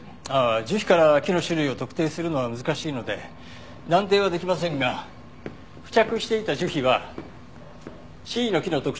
樹皮から木の種類を特定するのは難しいので断定はできませんが付着していた樹皮はシイの木の特徴を有しています。